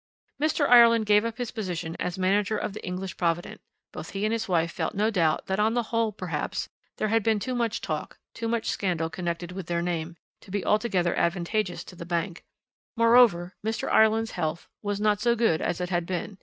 "Mr. Ireland gave up his position as manager of the English Provident: both he and his wife felt no doubt that on the whole, perhaps, there had been too much talk, too much scandal connected with their name, to be altogether advantageous to the bank. Moreover, Mr. Ireland's health was not so good as it had been.